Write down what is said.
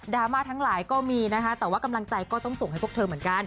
รามาทั้งหลายก็มีนะคะแต่ว่ากำลังใจก็ต้องส่งให้พวกเธอเหมือนกัน